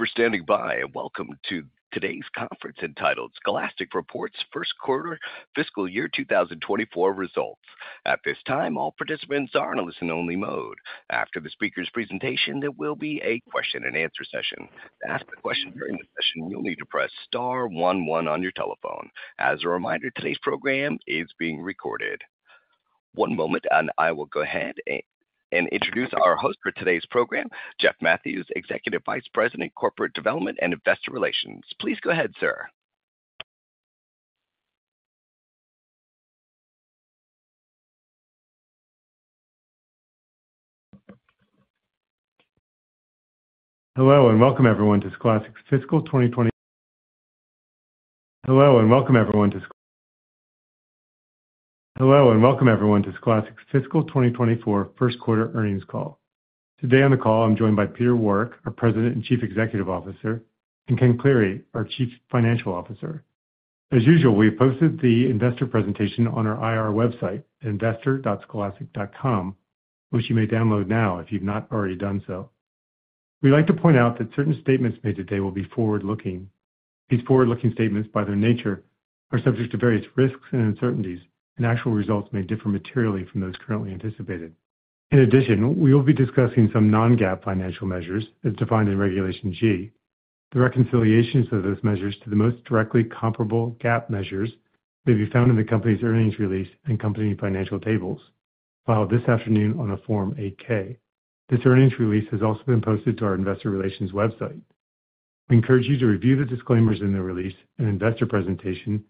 Thank you for standing by, and welcome to today's conference, entitled Scholastic Reports First Quarter Fiscal Year 2024 Results. At this time, all participants are in a listen-only mode. After the speaker's presentation, there will be a question-and-answer session. To ask a question during the session, you'll need to press star one one on your telephone. As a reminder, today's program is being recorded. One moment, and I will go ahead and introduce our host for today's program, Jeff Mathews, Executive Vice President, Corporate Development and Investor Relations. Please go ahead, sir. Hello, and welcome everyone to Scholastic's Fiscal 2024 first quarter earnings call. Today on the call, I'm joined by Peter Warwick, our President and Chief Executive Officer, and Ken Cleary, our Chief Financial Officer. As usual, we posted the investor presentation on our IR website, investor.scholastic.com, which you may download now if you've not already done so. We'd like to point out that certain statements made today will be forward-looking. These forward-looking statements, by their nature, are subject to various risks and uncertainties, and actual results may differ materially from those currently anticipated. In addition, we will be discussing some non-GAAP financial measures as defined in Regulation G. The reconciliations of those measures to the most directly comparable GAAP measures may be found in the company's earnings release and company financial tables, filed this afternoon on a Form 8-K. This earnings release has also been posted to our investor relations website. We encourage you to review the disclaimers in the release and investor presentation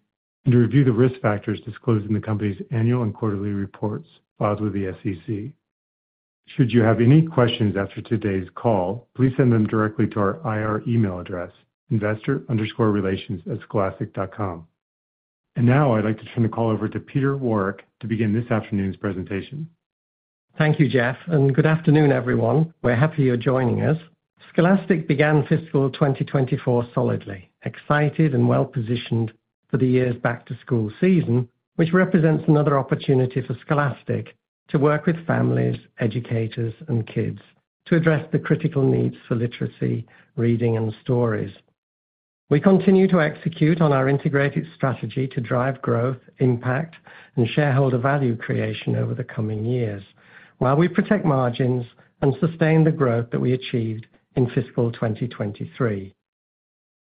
and to review the risk factors disclosed in the company's annual and quarterly reports filed with the SEC. Should you have any questions after today's call, please send them directly to our IR email address, investor_relations@scholastic.com. I'd like to turn the call over to Peter Warwick to begin this afternoon's presentation. Thank you, Jeff, and good afternoon, everyone. We're happy you're joining us. Scholastic began fiscal 2024 solidly, excited and well-positioned for the year's back-to-school season, which represents another opportunity for Scholastic to work with families, educators, and kids to address the critical needs for literacy, reading, and stories. We continue to execute on our integrated strategy to drive growth, impact, and shareholder value creation over the coming years, while we protect margins and sustain the growth that we achieved in fiscal 2023.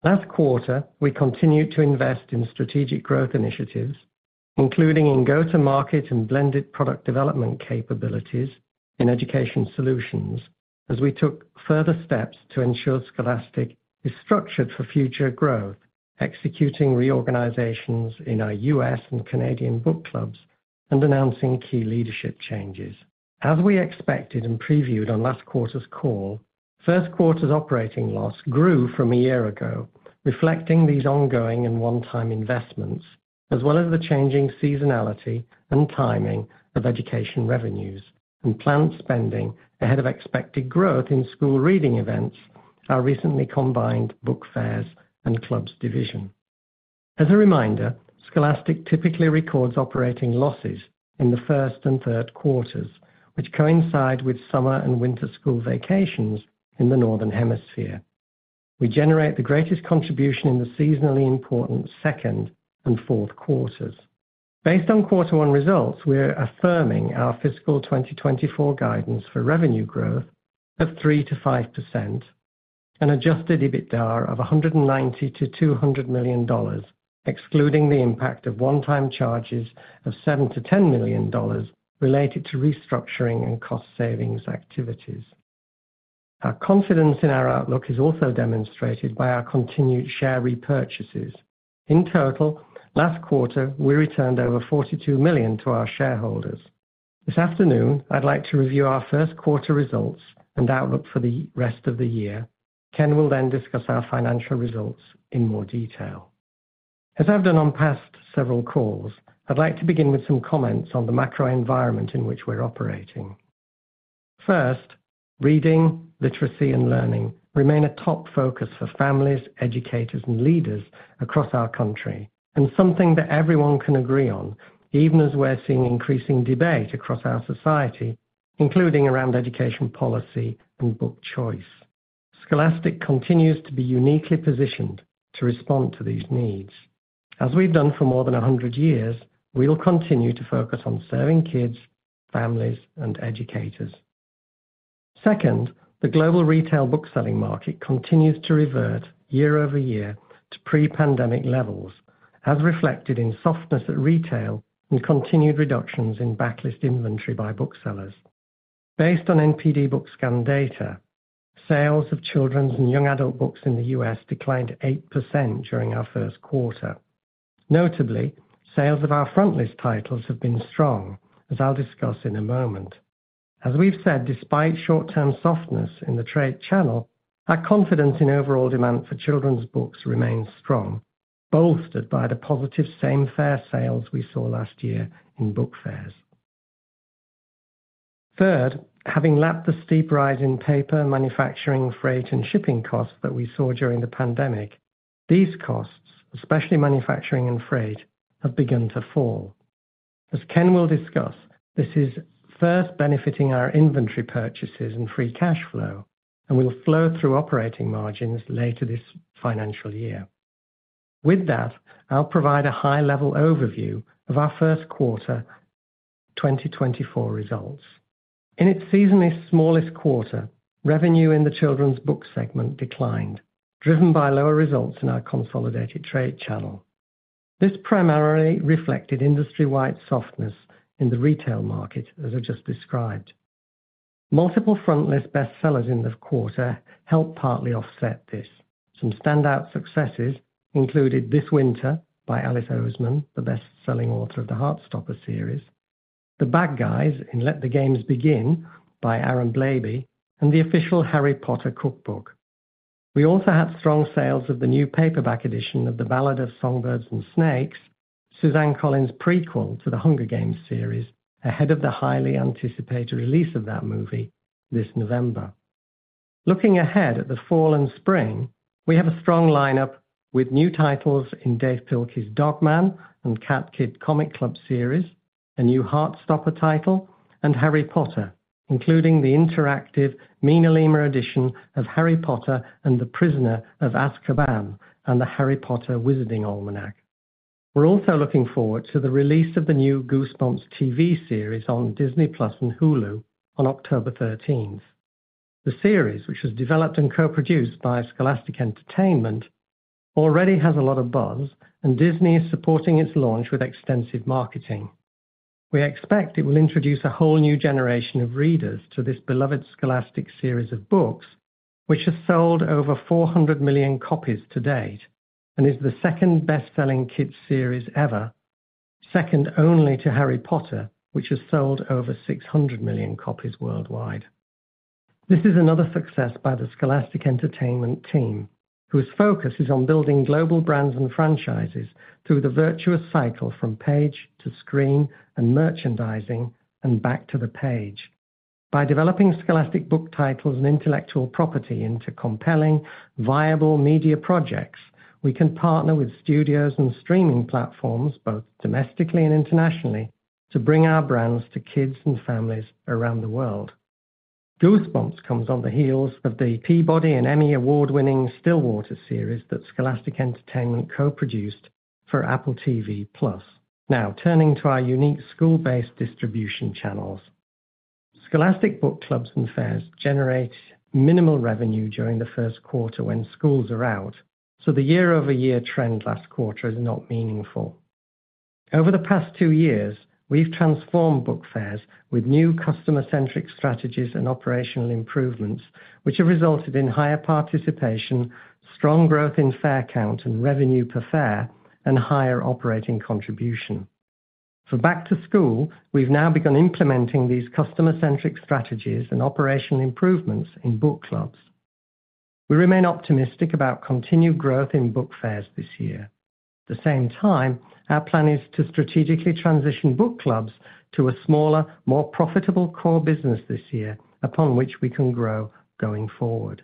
Last quarter, we continued to invest in strategic growth initiatives, including in go-to-market and blended product development capabilities in Education Solutions, as we took further steps to ensure Scholastic is structured for future growth, executing reorganizations in our U.S. and Canadian Book Clubs and announcing key leadership changes. As we expected and previewed on last quarter's call, first quarter's operating loss grew from a year ago, reflecting these ongoing and one-time investments, as well as the changing seasonality and timing of education revenues and planned spending ahead of expected growth in School Reading Events, our recently combined Book Fairs and Clubs division. As a reminder, Scholastic typically records operating losses in the first and third quarters, which coincide with summer and winter school vacations in the Northern Hemisphere. We generate the greatest contribution in the seasonally important second and fourth quarters. Based on quarter one results, we are affirming our fiscal 2024 guidance for revenue growth of 3%-5% and adjusted EBITDA of $190 million-$200 million, excluding the impact of one-time charges of $7 million-$10 million related to restructuring and cost savings activities. Our confidence in our outlook is also demonstrated by our continued share repurchases. In total, last quarter, we returned over $42 million to our shareholders. This afternoon, I'd like to review our first quarter results and outlook for the rest of the year. Ken will then discuss our financial results in more detail. As I've done on past several calls, I'd like to begin with some comments on the macro environment in which we're operating. First, reading, literacy, and learning remain a top focus for families, educators, and leaders across our country and something that everyone can agree on, even as we're seeing increasing debate across our society, including around education policy and book choice. Scholastic continues to be uniquely positioned to respond to these needs. As we've done for more than 100 years, we will continue to focus on serving kids, families, and educators. Second, the global retail bookselling market continues to revert year-over-year to pre-pandemic levels, as reflected in softness at retail and continued reductions in backlist inventory by booksellers. Based on NPD BookScan data, sales of children's and young adult books in the U.S. declined 8% during our first quarter. Notably, sales of our frontlist titles have been strong, as I'll discuss in a moment. As we've said, despite short-term softness in the trade channel, our confidence in overall demand for children's books remains strong, bolstered by the positive same-fair sales we saw last year in book fairs. Third, having lapped the steep rise in paper, manufacturing, freight, and shipping costs that we saw during the pandemic, these costs, especially manufacturing and freight, have begun to fall. As Ken will discuss, this is first benefiting our inventory purchases and free cash flow and will flow through operating margins later this financial year. With that, I'll provide a high-level overview of our first quarter 2024 results. In its seasonally smallest quarter, revenue in the children's book segment declined, driven by lower results in our consolidated trade channel. This primarily reflected industry-wide softness in the retail market, as I just described. Multiple frontlist bestsellers in this quarter helped partly offset this. Some standout successes included This Winter by Alice Oseman, the best-selling author of the Heartstopper series, The Bad Guys in Let the Games Begin by Aaron Blabey, and The Official Harry Potter Cookbook. We also had strong sales of the new paperback edition of The Ballad of Songbirds and Snakes, Suzanne Collins' prequel to The Hunger Games series, ahead of the highly anticipated release of that movie this November. Looking ahead at the fall and spring, we have a strong lineup with new titles in Dav Pilkey's Dog Man and Cat Kid Comic Club series, a new Heartstopper title, and Harry Potter, including the interactive MinaLima edition of Harry Potter and the Prisoner of Azkaban and the Harry Potter Wizarding Almanac. We're also looking forward to the release of the new Goosebumps TV series on Disney+ and Hulu on October 13th. The series, which was developed and co-produced by Scholastic Entertainment, already has a lot of buzz, and Disney is supporting its launch with extensive marketing. We expect it will introduce a whole new generation of readers to this beloved Scholastic series of books, which has sold over 400 million copies to date and is the second best-selling kids series ever, second only to Harry Potter, which has sold over 600 million copies worldwide. This is another success by the Scholastic Entertainment team, whose focus is on building global brands and franchises through the virtuous cycle from page to screen and merchandising and back to the page. By developing Scholastic book titles and intellectual property into compelling, viable media projects, we can partner with studios and streaming platforms, both domestically and internationally, to bring our brands to kids and families around the world. Goosebumps comes on the heels of the Peabody and Emmy Award-winning Stillwater series that Scholastic Entertainment co-produced for Apple TV+. Now, turning to our unique school-based distribution channels. Scholastic Book Clubs and Book Fairs generate minimal revenue during the first quarter when schools are out, so the year-over-year trend last quarter is not meaningful. Over the past two years, we've transformed Book Fairs with new customer-centric strategies and operational improvements, which have resulted in higher participation, strong growth in fair count and revenue per fair, and higher operating contribution. For back to school, we've now begun implementing these customer-centric strategies and operational improvements in Book Clubs. We remain optimistic about continued growth in Book Fairs this year. At the same time, our plan is to strategically transition Book Clubs to a smaller, more profitable core business this year, upon which we can grow going forward.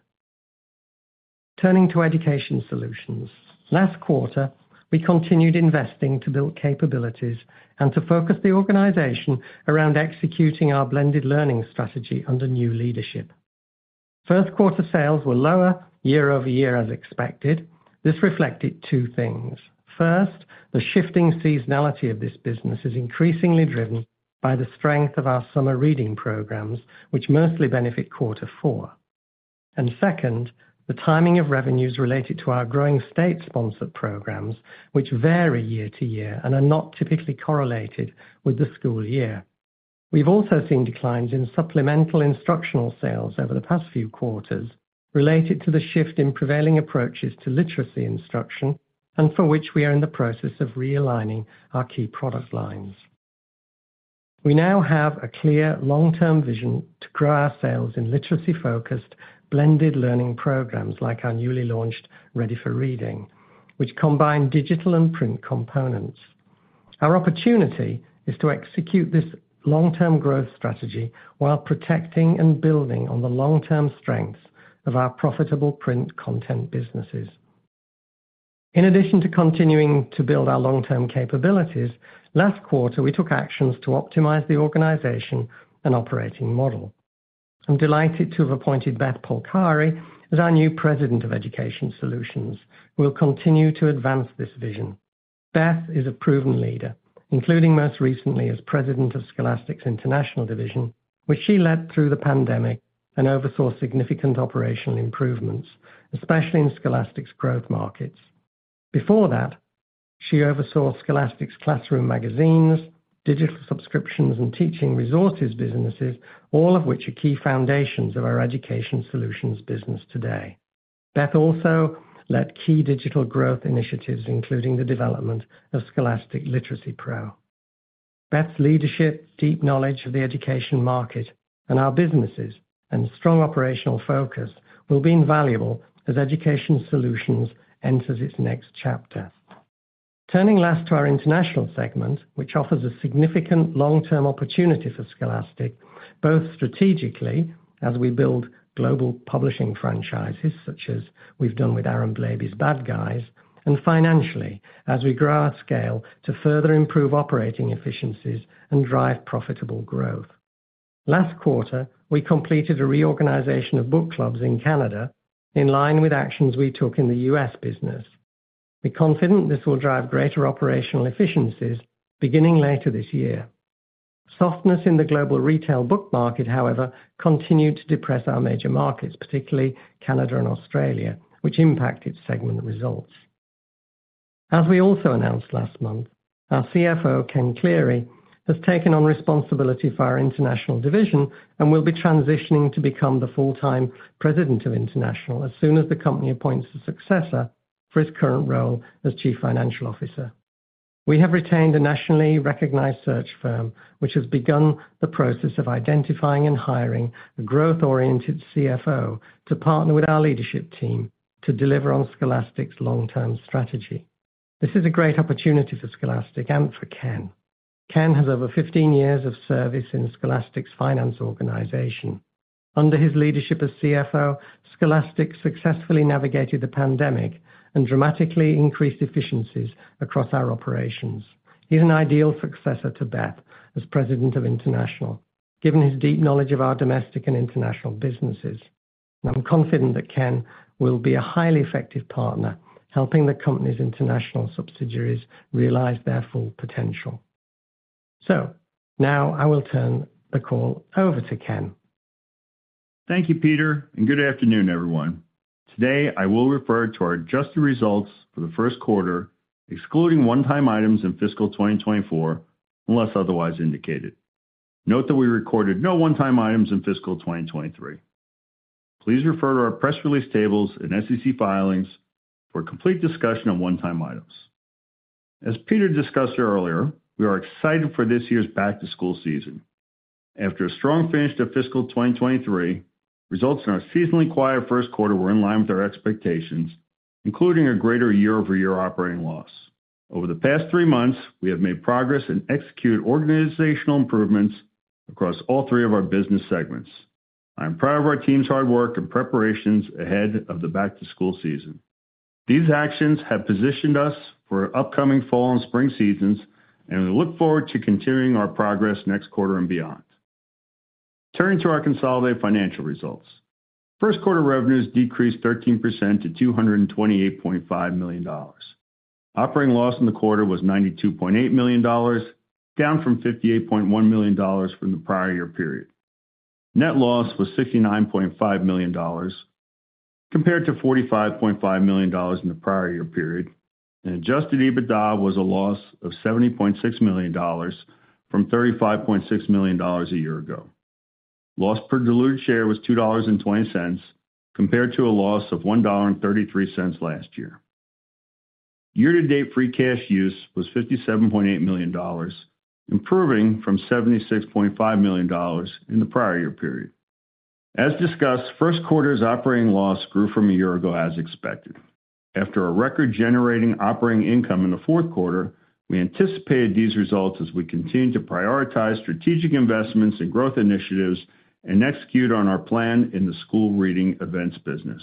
Turning to Education Solutions. Last quarter, we continued investing to build capabilities and to focus the organization around executing our blended learning strategy under new leadership. First quarter sales were lower year-over-year as expected. This reflected two things. First, the shifting seasonality of this business is increasingly driven by the strength of our summer reading programs, which mostly benefit quarter four. And second, the timing of revenues related to our growing state-sponsored programs, which vary year to year and are not typically correlated with the school year. We've also seen declines in supplemental instructional sales over the past few quarters related to the shift in prevailing approaches to literacy instruction and for which we are in the process of realigning our key product lines. We now have a clear long-term vision to grow our sales in literacy-focused, blended learning programs like our newly launched Ready4Reading, which combine digital and print components. Our opportunity is to execute this long-term growth strategy while protecting and building on the long-term strengths of our profitable print content businesses. In addition to continuing to build our long-term capabilities, last quarter, we took actions to optimize the organization and operating model. I'm delighted to have appointed Beth Polcari as our new President of Education Solutions, who will continue to advance this vision. Beth is a proven leader, including most recently as President of Scholastic's International Division, which she led through the pandemic and oversaw significant operational improvements, especially in Scholastic's growth markets. Before that, she oversaw Scholastic's classroom magazines, digital subscriptions, and teaching resources businesses, all of which are key foundations of our education solutions business today. Beth also led key digital growth initiatives, including the development of Scholastic Literacy Pro. Beth's leadership, deep knowledge of the education market and our businesses, and strong operational focus will be invaluable as Education Solutions enters its next chapter. Turning last to our International Segment, which offers a significant long-term opportunity for Scholastic, both strategically, as we build global publishing franchises, such as we've done with Aaron Blabey's Bad Guys, and financially, as we grow our scale to further improve operating efficiencies and drive profitable growth. Last quarter, we completed a reorganization of Book Clubs in Canada, in line with actions we took in the U.S. business. We're confident this will drive greater operational efficiencies beginning later this year. Softness in the global retail book market, however, continued to depress our major markets, particularly Canada and Australia, which impacted segment results. As we also announced last month, our CFO, Ken Cleary, has taken on responsibility for our international division and will be transitioning to become the full-time President of International as soon as the company appoints a successor for his current role as chief financial officer. We have retained a nationally recognized search firm, which has begun the process of identifying and hiring a growth-oriented CFO to partner with our leadership team to deliver on Scholastic's long-term strategy. This is a great opportunity for Scholastic and for Ken. Ken has over 15 years of service in Scholastic's finance organization. Under his leadership as CFO, Scholastic successfully navigated the pandemic and dramatically increased efficiencies across our operations. He's an ideal successor to Beth as President of International. I'm confident that Ken will be a highly effective partner, helping the company's international subsidiaries realize their full potential. Now I will turn the call over to Ken. Thank you, Peter, and good afternoon, everyone. Today, I will refer to our adjusted results for the first quarter, excluding one-time items in fiscal 2024, unless otherwise indicated. Note that we recorded no one-time items in fiscal 2023. Please refer to our press release tables and SEC filings for a complete discussion of one-time items. As Peter discussed earlier, we are excited for this year's back-to-school season. After a strong finish to fiscal 2023, results in our seasonally quiet first quarter were in line with our expectations, including a greater year-over-year operating loss. Over the past three months, we have made progress in executing organizational improvements across all three of our business segments. I am proud of our team's hard work and preparations ahead of the back-to-school season. These actions have positioned us for upcoming fall and spring seasons, and we look forward to continuing our progress next quarter and beyond. Turning to our consolidated financial results. First quarter revenues decreased 13% to $228.5 million. Operating loss in the quarter was $92.8 million, down from $58.1 million from the prior year period. Net loss was $69.5 million, compared to $45.5 million in the prior year period, and Adjusted EBITDA was a loss of $70.6 million from $35.6 million a year ago. Loss per diluted share was $2.20, compared to a loss of $1.33 last year. Year-to-date free cash use was $57.8 million, improving from $76.5 million in the prior year period. As discussed, first quarter's operating loss grew from a year ago as expected. After a record-generating operating income in the fourth quarter, we anticipated these results as we continued to prioritize strategic investments and growth initiatives and execute on our plan in the School Reading Events business.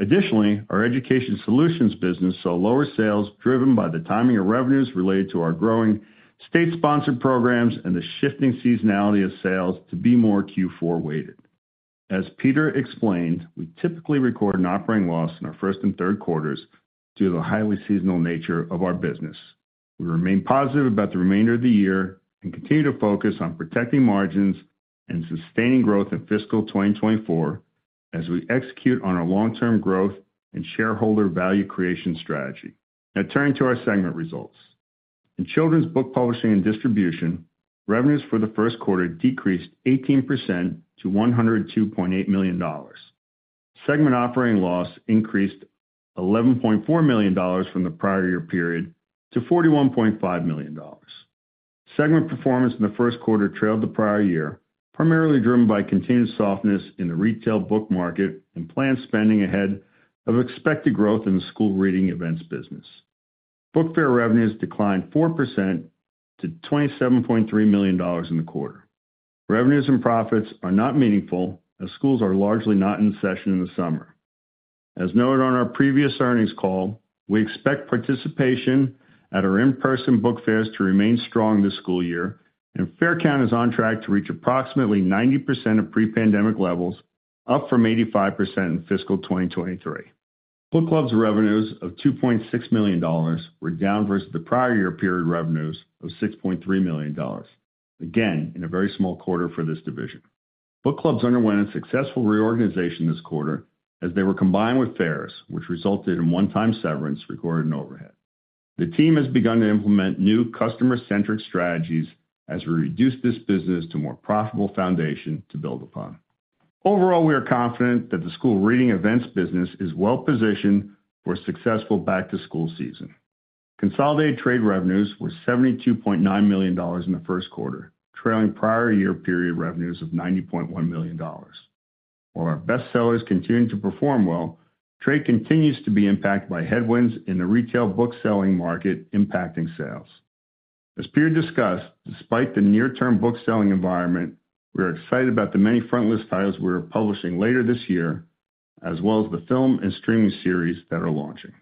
Additionally, our education solutions business saw lower sales, driven by the timing of revenues related to our growing state-sponsored programs and the shifting seasonality of sales to be more Q4-weighted. As Peter explained, we typically record an operating loss in our first and third quarters due to the highly seasonal nature of our business. We remain positive about the remainder of the year and continue to focus on protecting margins and sustaining growth in fiscal 2024 as we execute on our long-term growth and shareholder value creation strategy. Now turning to our segment results. In Children's Book Publishing and Distribution, revenues for the first quarter decreased 18% to $102.8 million. Segment operating loss increased $11.4 million from the prior year period to $41.5 million. Segment performance in the first quarter trailed the prior year, primarily driven by continued softness in the retail book market and planned spending ahead of expected growth in the School Reading Events business. Book Fair revenues declined 4% to $27.3 million in the quarter. Revenues and profits are not meaningful, as schools are largely not in session in the summer. As noted on our previous earnings call, we expect participation at our in-person Book Fairs to remain strong this school year, and fair count is on track to reach approximately 90% of pre-pandemic levels, up from 85% in fiscal 2023. Book Clubs revenues of $2.6 million were down versus the prior year period revenues of $6.3 million, again, in a very small quarter for this division. Book Clubs underwent a successful reorganization this quarter as they were combined with fairs, which resulted in one-time severance recorded in overhead. The team has begun to implement new customer-centric strategies as we reduce this business to more profitable foundation to build upon. Overall, we are confident that the School Reading Events business is well positioned for a successful back-to-school season. Consolidated Trade revenues were $72.9 million in the first quarter, trailing prior year period revenues of $90.1 million. While our bestsellers continue to perform well, Trade continues to be impacted by headwinds in the retail bookselling market, impacting sales. As Peter discussed, despite the near-term bookselling environment, we are excited about the many frontlist titles we are publishing later this year, as well as the film and streaming series that are launching.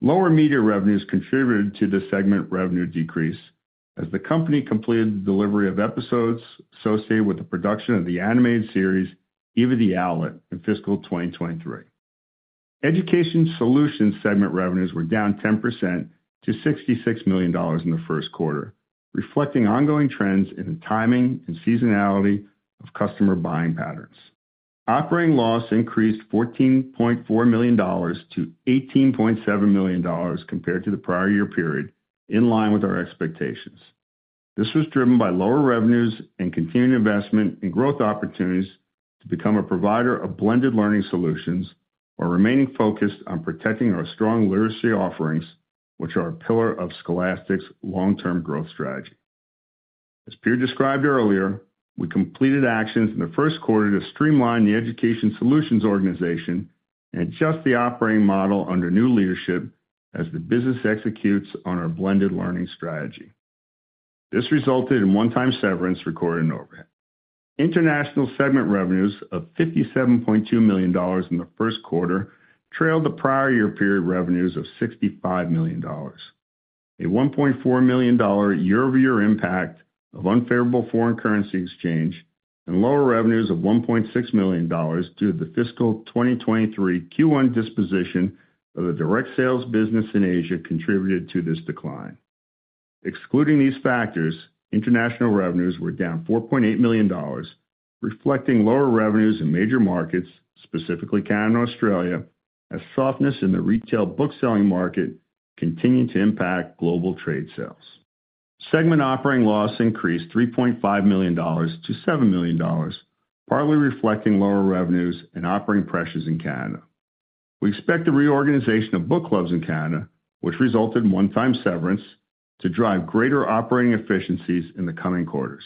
Lower media revenues contributed to the segment revenue decrease, as the company completed the delivery of episodes associated with the production of the animated series, Eva the Owlet, in fiscal 2023. Education Solutions segment revenues were down 10% to $66 million in the first quarter, reflecting ongoing trends in the timing and seasonality of customer buying patterns. Operating loss increased $14.4 million-$18.7 million compared to the prior year period, in line with our expectations. This was driven by lower revenues and continued investment in growth opportunities to become a provider of blended learning solutions, while remaining focused on protecting our strong literacy offerings, which are a pillar of Scholastic's long-term growth strategy. As Peter described earlier, we completed actions in the first quarter to streamline the Education Solutions organization and adjust the operating model under new leadership as the business executes on our blended learning strategy. This resulted in one-time severance recorded in overhead. International segment revenues of $57.2 million in the first quarter trailed the prior year period revenues of $65 million. A $1.4 million year-over-year impact of unfavorable foreign currency exchange and lower revenues of $1.6 million due to the fiscal 2023 Q1 disposition of the direct sales business in Asia contributed to this decline. Excluding these factors, international revenues were down $4.8 million, reflecting lower revenues in major markets, specifically Canada and Australia, as softness in the retail bookselling market continued to impact global trade sales. Segment operating loss increased $3.5 million-$7 million, partly reflecting lower revenues and operating pressures in Canada. We expect the reorganization of book clubs in Canada, which resulted in one-time severance, to drive greater operating efficiencies in the coming quarters.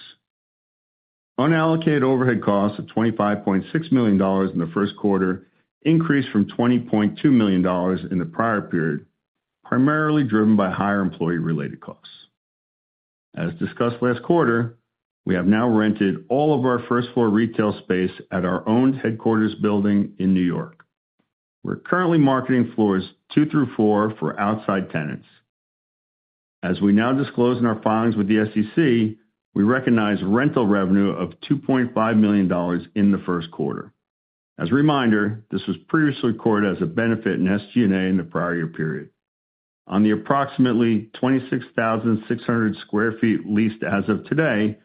Unallocated overhead costs of $25.6 million in the first quarter increased from $20.2 million in the prior period, primarily driven by higher employee-related costs. As discussed last quarter, we have now rented all of our first floor retail space at our owned headquarters building in New York. We're currently marketing floors two through four for outside tenants. As we now disclose in our filings with the SEC, we recognized rental revenue of $2.5 million in the first quarter. As a reminder, this was previously recorded as a benefit in SG&A in the prior year period. On the approximately 26,600 sq ft leased as of today,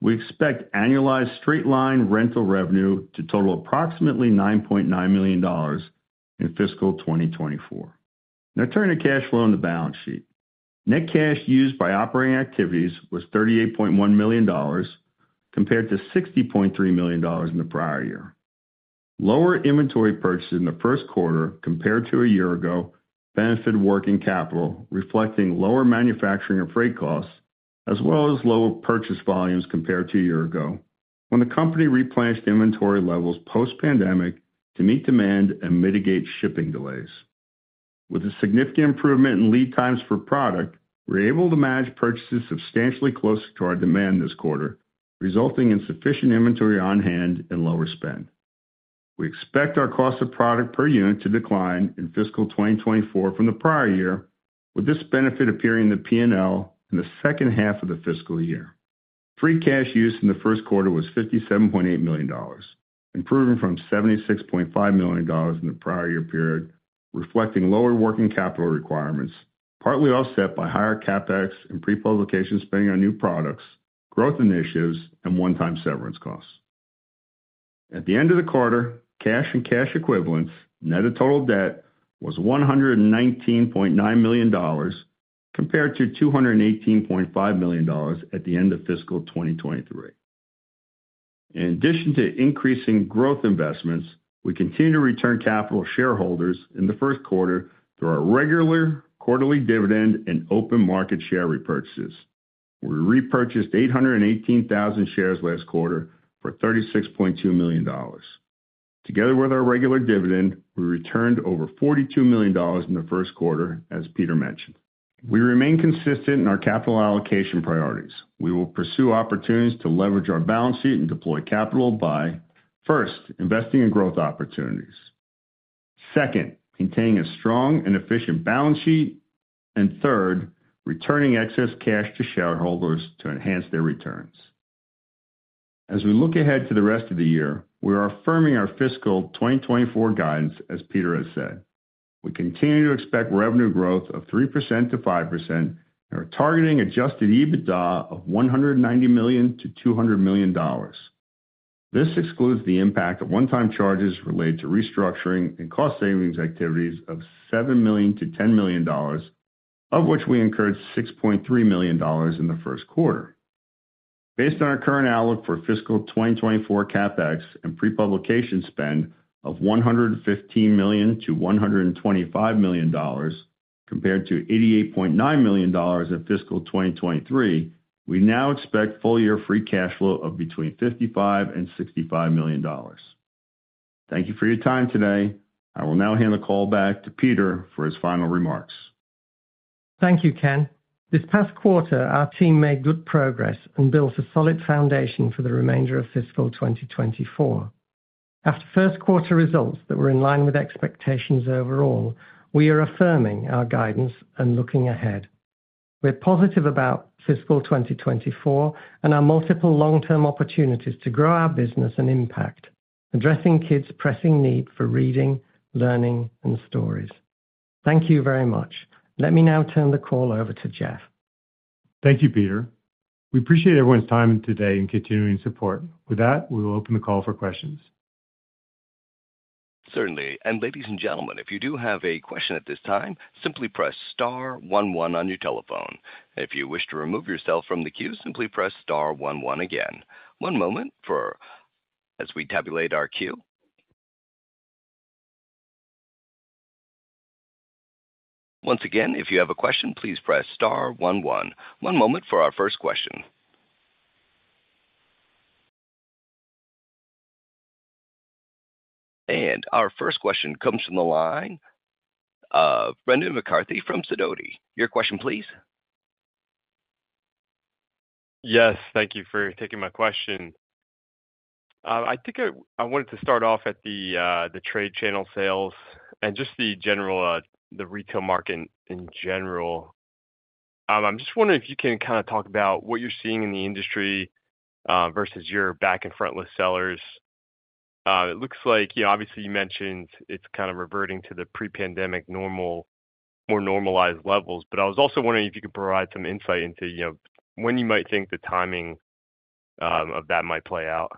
we expect annualized straight-line rental revenue to total approximately $9.9 million in fiscal 2024. Now turning to cash flow and the balance sheet. Net cash used by operating activities was $38.1 million, compared to $60.3 million in the prior year. Lower inventory purchases in the first quarter compared to a year ago benefited working capital, reflecting lower manufacturing and freight costs, as well as lower purchase volumes compared to a year ago, when the company replenished inventory levels post-pandemic to meet demand and mitigate shipping delays. With a significant improvement in lead times for product, we were able to manage purchases substantially closer to our demand this quarter, resulting in sufficient inventory on hand and lower spend. We expect our cost of product per unit to decline in fiscal 2024 from the prior year, with this benefit appearing in the P&L in the second half of the fiscal year. Free cash use in the first quarter was $57.8 million, improving from $76.5 million in the prior year period, reflecting lower working capital requirements, partly offset by higher CapEx and pre-publication spending on new products, growth initiatives, and one-time severance costs. At the end of the quarter, cash and cash equivalents net of total debt was $119.9 million, compared to $218.5 million at the end of fiscal 2023. In addition to increasing growth investments, we continue to return capital to shareholders in the first quarter through our regular quarterly dividend and open market share repurchases. We repurchased 818,000 shares last quarter for $36.2 million. Together with our regular dividend, we returned over $42 million in the first quarter, as Peter mentioned. We remain consistent in our capital allocation priorities. We will pursue opportunities to leverage our balance sheet and deploy capital by, first, investing in growth opportunities, second, maintaining a strong and efficient balance sheet, and third, returning excess cash to shareholders to enhance their returns. As we look ahead to the rest of the year, we are affirming our fiscal 2024 guidance, as Peter has said. We continue to expect revenue growth of 3%-5% and are targeting Adjusted EBITDA of $190 million-$200 million. This excludes the impact of one-time charges related to restructuring and cost savings activities of $7 million-$10 million, of which we incurred $6.3 million in the first quarter. Based on our current outlook for fiscal 2024 CapEx and pre-publication spend of $115 million-$125 million, compared to $88.9 million in fiscal 2023, we now expect full year free cash flow of between $55 million and $65 million. Thank you for your time today. I will now hand the call back to Peter for his final remarks. Thank you, Ken. This past quarter, our team made good progress and built a solid foundation for the remainder of fiscal 2024. After first quarter results that were in line with expectations overall, we are affirming our guidance and looking ahead. We're positive about fiscal 2024 and our multiple long-term opportunities to grow our business and impact, addressing kids' pressing need for reading, learning and stories. Thank you very much. Let me now turn the call over to Jeff. Thank you, Peter. We appreciate everyone's time today and continuing support. With that, we will open the call for questions. Certainly, and ladies and gentlemen, if you do have a question at this time, simply press star one one on your telephone. If you wish to remove yourself from the queue, simply press star one one again. One moment for as we tabulate our queue. Once again, if you have a question, please press star one one. One moment for our first question. Our first question comes from the line of Brendan McCarthy from Sidoti. Your question, please. Yes, thank you for taking my question. I think I wanted to start off at the trade channel sales and just the general retail market in general. I'm just wondering if you can kind of talk about what you're seeing in the industry versus your back- and frontlist sales. It looks like, you know, obviously you mentioned it's kind of reverting to the pre-pandemic normal, more normalized levels. But I was also wondering if you could provide some insight into, you know, when you might think the timing of that might play out?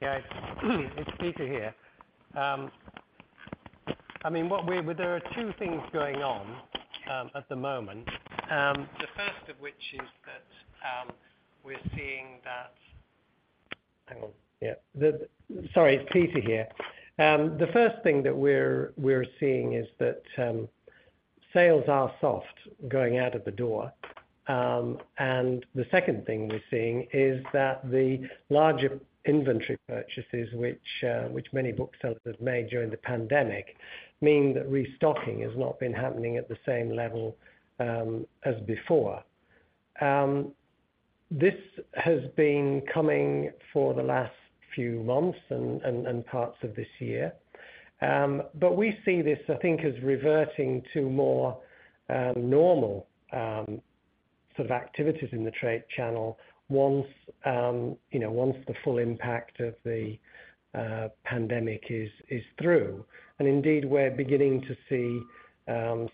Yeah, it's Peter here. I mean, what we-- there are two things going on at the moment. The first of which is that we're seeing that... Hang on. Yeah. Sorry, it's Peter here. The first thing that we're seeing is that sales are soft going out of the door. The second thing we're seeing is that the larger inventory purchases which many booksellers made during the pandemic mean that restocking has not been happening at the same level as before. This has been coming for the last few months and parts of this year. We see this, I think, as reverting to more normal sort of activities in the trade channel once, you know, once the full impact of the pandemic is through. Indeed, we're beginning to see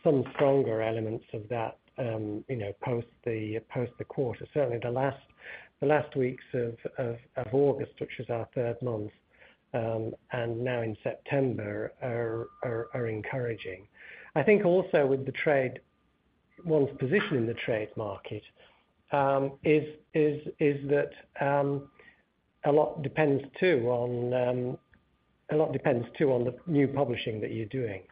some stronger elements of that, you know, post the quarter. Certainly the last weeks of August, which is our third month, and now in September, are encouraging. I think also with the trade one's position in the trade market is that a lot depends too on the new publishing that you're doing.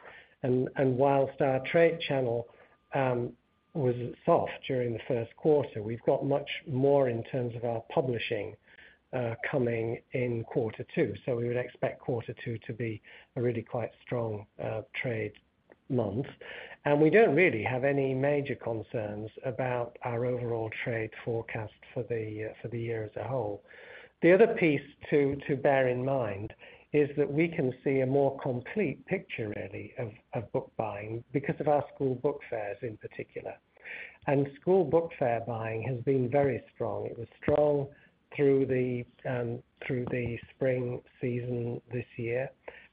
And whilst our trade channel was soft during the first quarter, we've got much more in terms of our publishing coming in quarter two. So we would expect quarter two to be a really quite strong trade month. And we don't really have any major concerns about our overall trade forecast for the year as a whole. The other piece to bear in mind is that we can see a more complete picture really, of book buying because of our school book fairs in particular. School book fair buying has been very strong. It was strong through the spring season this year.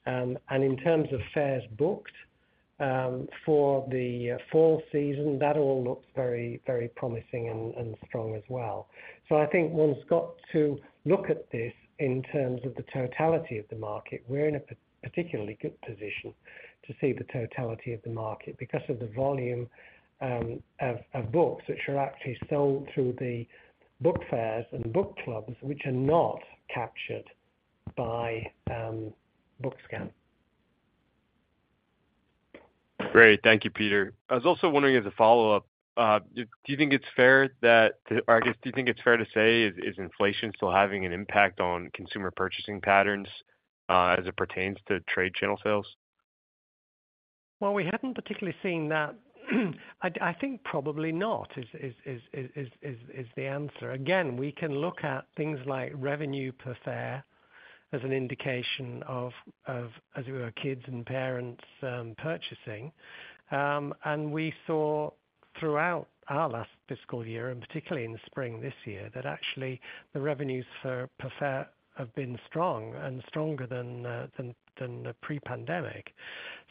In terms of fairs booked for the fall season, that all looks very, very promising and strong as well. I think one's got to look at this in terms of the totality of the market. We're in a particularly good position to see the totality of the market, because of the volume of books which are actually sold through the book fairs and book clubs, which are not captured by BookScan. Great. Thank you, Peter. I was also wondering, as a follow-up, do you think it's fair that, or I guess, do you think it's fair to say, is inflation still having an impact on consumer purchasing patterns, as it pertains to trade channel sales? Well, we haven't particularly seen that. I think probably not is the answer. Again, we can look at things like revenue per fair as an indication of, as it were, kids and parents purchasing. And we saw throughout our last fiscal year, and particularly in the spring this year, that actually the revenues per fair have been strong and stronger than the pre-pandemic.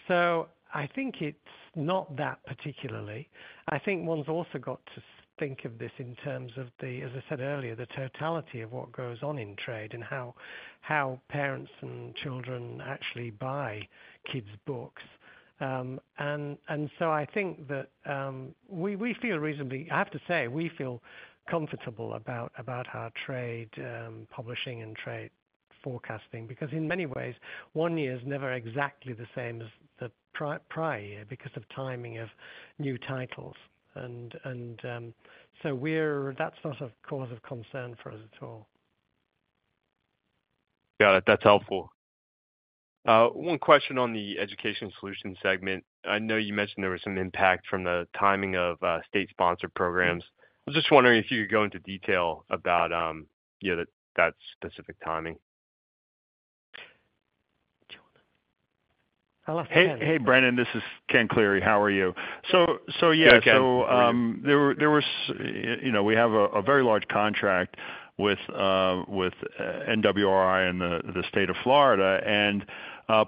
So I think it's not that particularly. I think one's also got to think of this in terms of the, as I said earlier, the totality of what goes on in trade and how parents and children actually buy kids books. And so I think that we feel reasonably... I have to say, we feel comfortable about our trade publishing and trade.... forecasting, because in many ways, one year is never exactly the same as the prior year because of timing of new titles. And so we're, that's not a cause of concern for us at all. Got it. That's helpful. One question on the Education Solutions segment. I know you mentioned there was some impact from the timing of state-sponsored programs. I was just wondering if you could go into detail about that specific timing. Hello? Hey, hey, Brendan, this is Ken Cleary. How are you? So yeah- Hey, Ken. There were, there were, you know, we have a very large contract with the New Worlds Reading Initiative in the state of Florida.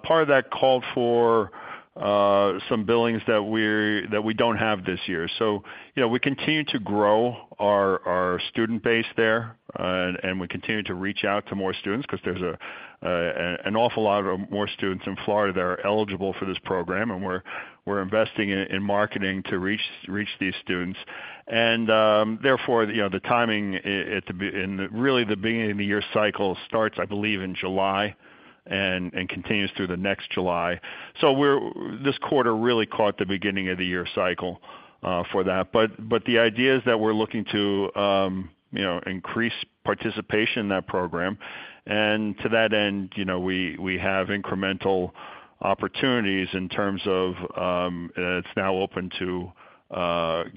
Part of that called for some billings that we don't have this year. You know, we continue to grow our student base there, and we continue to reach out to more students 'cause there's an awful lot more students in Florida that are eligible for this program, and we're investing in marketing to reach these students. Therefore, you know, the timing at the beginning-of-the-year cycle starts, I believe, in July and continues through the next July. We're—this quarter really caught the beginning of the year cycle for that. But the idea is that we're looking to, you know, increase participation in that program. And to that end, you know, we have incremental opportunities in terms of, it's now open to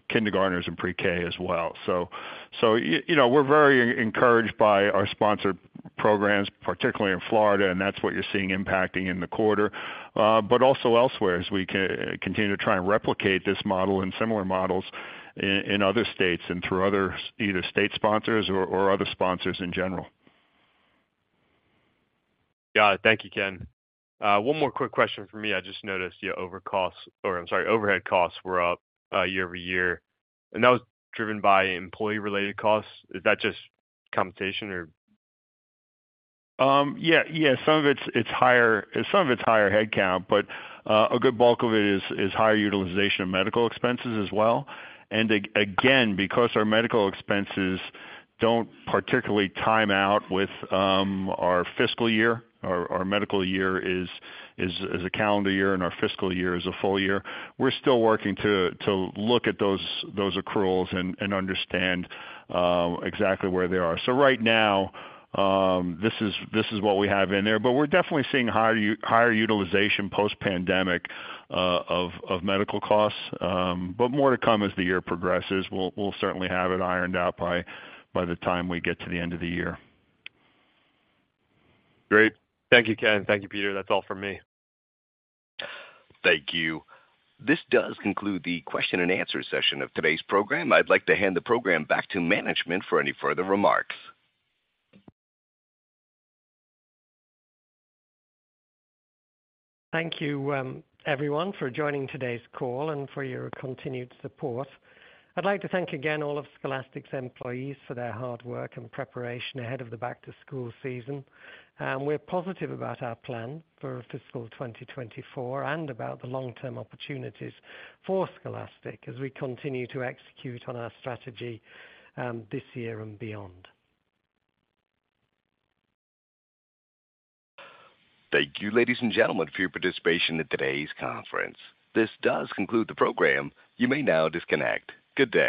kindergartners and pre-K as well. So you know, we're very encouraged by our sponsor programs, particularly in Florida, and that's what you're seeing impacting in the quarter. But also elsewhere, as we continue to try and replicate this model and similar models in other states and through other either state sponsors or other sponsors in general. Got it. Thank you, Ken. One more quick question for me. I just noticed your overcosts, or I'm sorry, overhead costs were up, year-over-year, and that was driven by employee-related costs. Is that just compensation or? Yeah, yeah. Some of it's higher... Some of it's higher headcount, but, a good bulk of it is, is higher utilization of medical expenses as well. Again, because our medical expenses don't particularly time out with our fiscal year, our medical year is a calendar year, and our fiscal year is a full year. We're still working to look at those accruals and understand exactly where they are. Right now, this is what we have in there, but we're definitely seeing higher utilization post-pandemic of medical costs. More to come as the year progresses. We'll certainly have it ironed out by the time we get to the end of the year. Great. Thank you, Ken. Thank you, Peter. That's all from me. Thank you. This does conclude the question and answer session of today's program. I'd like to hand the program back to management for any further remarks. Thank you, everyone, for joining today's call and for your continued support. I'd like to thank again all of Scholastic's employees for their hard work and preparation ahead of the back-to-school season. We're positive about our plan for fiscal 2024 and about the long-term opportunities for Scholastic as we continue to execute on our strategy, this year and beyond. Thank you, ladies and gentlemen, for your participation in today's conference. This does conclude the program. You may now disconnect. Good day.